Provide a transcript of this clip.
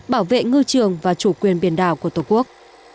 bảo vệ ngư trường và chủ quyền biển đảo của tổ quốc